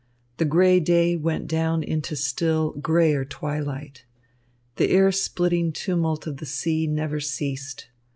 The grey day went down into still greyer twilight. The ear splitting tumult of the sea never ceased.